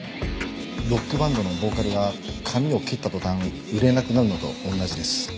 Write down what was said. ロックバンドのボーカルが髪を切った途端売れなくなるのと同じです。